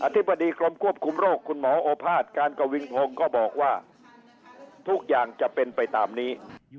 ธิบดีกรมควบคุมโรคคุณหมอโอภาษย์การกวินพงศ์ก็บอกว่าทุกอย่างจะเป็นไปตามนี้